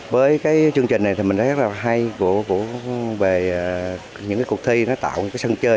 với chương trình này mình thấy rất hay về những cuộc thi tạo sân chơi